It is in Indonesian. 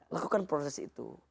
lakukan proses itu